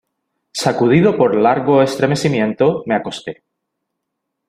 sacudido por largo estremecimiento me acosté.